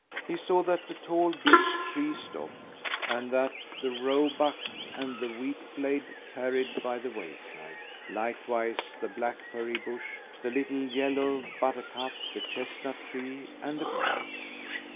He saw that the tall beech tree stopped, and that the roebuck and the wheat blade tarried by the wayside, likewise the blackberry bush, the little yellow buttercup, the chestnut tree, and the grouse.